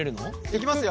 いきますよ。